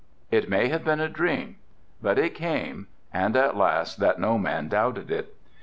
It may have been a dream, but it came and at last that no man doubted it.